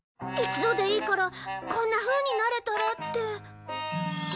一度でいいからこんなふうになれたらって。